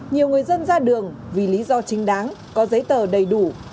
nhiều người dân ra đường vì lý do chính đáng có giấy tờ đầy đủ